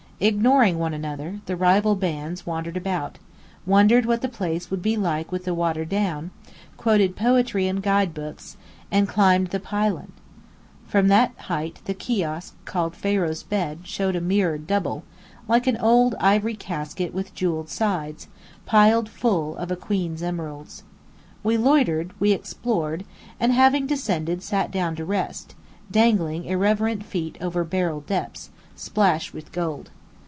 Ignoring one another, the rival bands wandered about, wondered what the place would be like with the water "down," quoted poetry and guide books, and climbed the pylon. From that height the kiosk called "Pharaoh's Bed" showed a mirrored double, like an old ivory casket with jewelled sides, piled full of a queen's emeralds. We loitered; we explored; and having descended sat down to rest, dangling irreverent feet over beryl depths, splashed with gold.